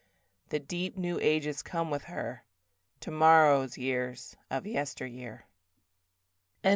The deep new ages come with her, Tomorrow's years of yesteryear.